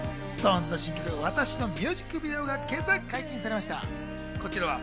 ＳｉｘＴＯＮＥＳの新曲、『わたし』のミュージックビデオが今朝解禁されました。